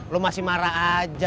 lo masih marah aja